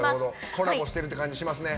コラボしてるって感じがしますね。